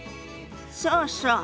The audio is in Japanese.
そうそう。